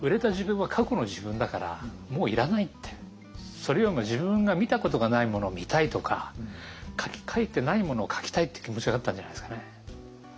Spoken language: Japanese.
それよりも自分が見たことがないものを見たいとか描いてないものを描きたいって気持ちがあったんじゃないですかね。